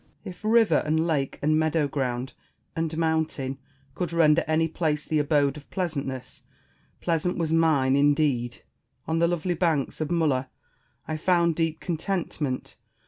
Spenser. If river and lake and meadow ground and mountain could render any place the abode of pleasantness, pleasant was mine, indeed ! On the lovely banks of Mulla I found deep contentment.